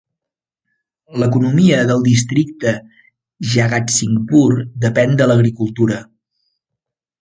L'economia del districte Jagatsinghpur depèn de l'agricultura.